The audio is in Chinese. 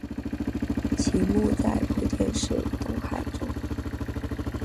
其墓在莆田市东海镇。